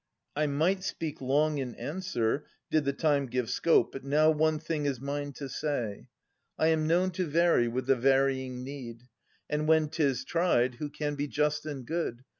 I might speak long in answer, did the time Give scope, but now one thing is mine to say. I am known to vary with the varying need ; And when 'tis tried, who can be just and good.